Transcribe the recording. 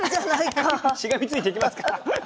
しがみついていきますから。